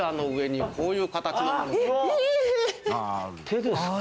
手ですか？